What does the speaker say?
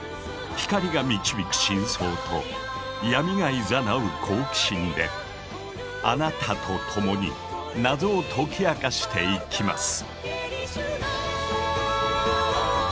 光が導く真相と闇がいざなう好奇心であなたと共に謎を解き明かしていきます。